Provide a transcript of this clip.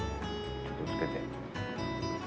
ちょっとつけて。